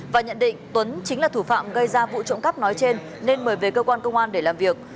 và nhận định tuấn chính là thủ phạm gây ra vụ trộm cắp nói trên nên mời về cơ quan công an để làm việc